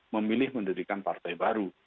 memilih mendirikan partai baru